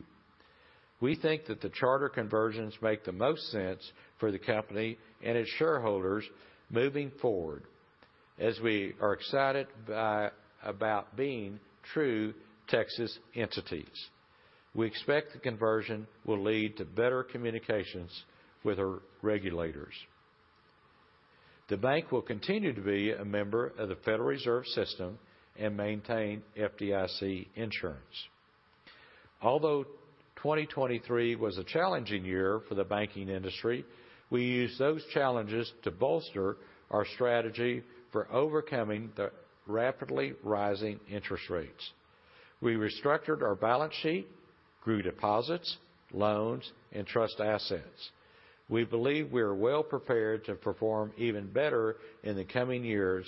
We think that the charter conversions make the most sense for the company and its shareholders moving forward, as we are excited about being true Texas entities. We expect the conversion will lead to better communications with our regulators. The bank will continue to be a member of the Federal Reserve System and maintain FDIC insurance. Although 2023 was a challenging year for the banking industry, we used those challenges to bolster our strategy for overcoming the rapidly rising interest rates. We restructured our balance sheet, grew deposits, loans, and trust assets. We believe we are well-prepared to perform even better in the coming years,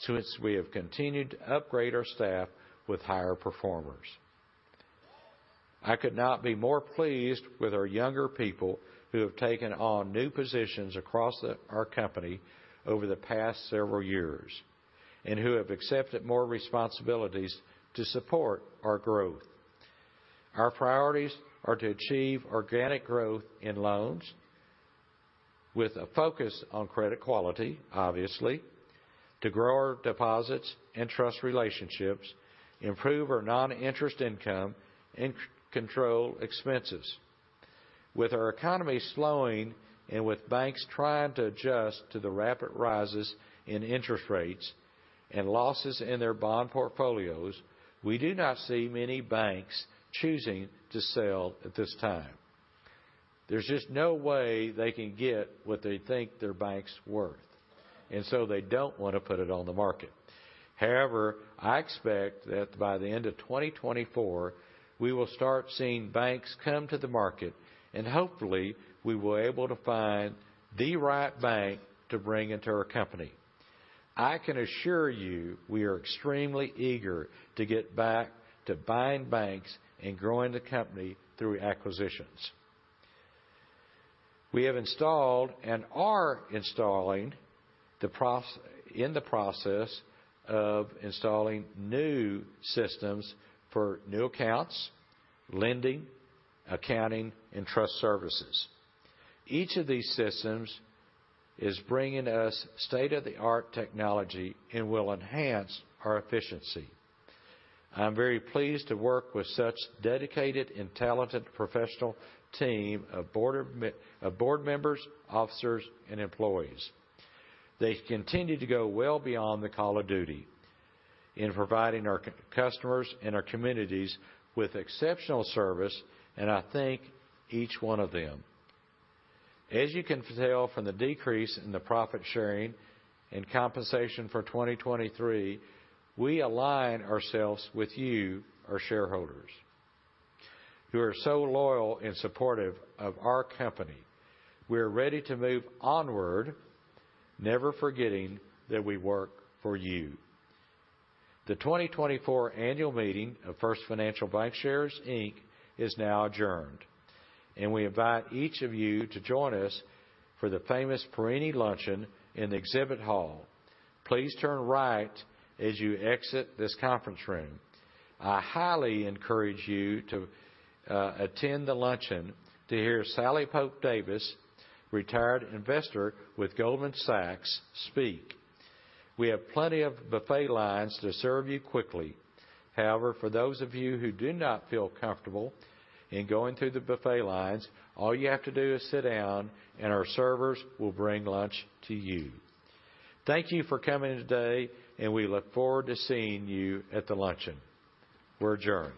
since we have continued to upgrade our staff with higher performers. I could not be more pleased with our younger people who have taken on new positions across our company over the past several years, and who have accepted more responsibilities to support our growth. Our priorities are to achieve organic growth in loans with a focus on credit quality, obviously, to grow our deposits and trust relationships, improve our non-interest income, and control expenses. With our economy slowing and with banks trying to adjust to the rapid rises in interest rates and losses in their bond portfolios, we do not see many banks choosing to sell at this time. There's just no way they can get what they think their bank's worth, and so they don't want to put it on the market. However, I expect that by the end of 2024, we will start seeing banks come to the market, and hopefully, we will able to find the right bank to bring into our company. I can assure you, we are extremely eager to get back to buying banks and growing the company through acquisitions. We have installed and are in the process of installing new systems for new accounts, lending, accounting, and trust services. Each of these systems is bringing us state-of-the-art technology and will enhance our efficiency. I'm very pleased to work with such dedicated and talented professional team of board members, officers, and employees. They've continued to go well beyond the call of duty in providing our customers and our communities with exceptional service, and I thank each one of them. As you can tell from the decrease in the profit sharing and compensation for 2023, we align ourselves with you, our shareholders, who are so loyal and supportive of our company. We are ready to move onward, never forgetting that we work for you. The 2024 annual meeting of First Financial Bankshares, Inc., is now adjourned, and we invite each of you to join us for the famous Perini Luncheon in the Exhibit Hall. Please turn right as you exit this conference room. I highly encourage you to attend the luncheon to hear Sally Pope Davis, retired investor with Goldman Sachs, speak. We have plenty of buffet lines to serve you quickly. However, for those of you who do not feel comfortable in going through the buffet lines, all you have to do is sit down, and our servers will bring lunch to you. Thank you for coming today, and we look forward to seeing you at the luncheon. We're adjourned.